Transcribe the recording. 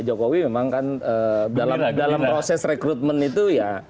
jokowi memang kan dalam proses rekrutmen itu ya